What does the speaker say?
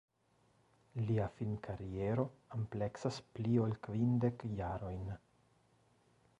Lia film-kariero ampleksas pli ol kvindek jarojn.